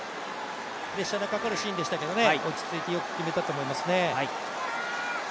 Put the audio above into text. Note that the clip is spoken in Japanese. プレッシャーのかかるシーンですけど、落ち着いてよく決めたと思いますね。